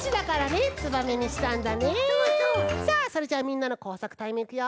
さあそれじゃあみんなのこうさくタイムいくよ。